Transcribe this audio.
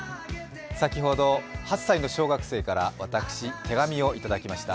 先ほど８歳の小学生から私、手紙をいただきました。